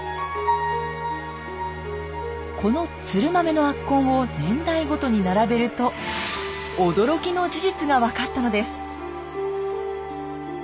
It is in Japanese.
このツルマメの圧痕を年代ごとに並べると驚きの事実が分かったのです。